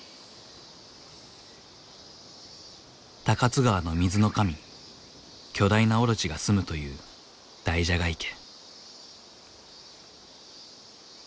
高津川の水の神巨大なオロチが住むという大蛇が池。